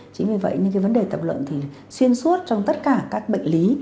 chính vì vậy những vấn đề tập luyện xuyên suốt trong tất cả các bệnh lý